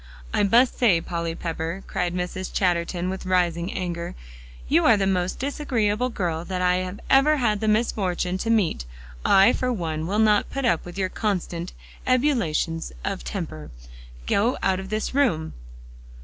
"I must say, Polly Pepper," cried Mrs. Chatterton with rising anger, "you are the most disagreeable girl that I ever had the misfortune to meet. I, for one, will not put up with your constant ebullitions of temper. Go out of this room!"